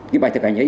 cái bài thực hành ấy